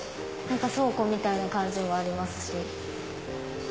倉庫みたいな感じもありますし。